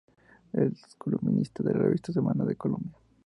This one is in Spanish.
Es columnista de la revista Semana de Colombia.